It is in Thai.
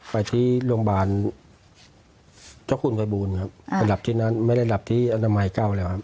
ไปที่โรงพยาบาลเจ้าคุณภัยบูรณ์ครับไปหลับที่นั้นไม่ได้หลับที่อนามัยเก้าแล้วครับ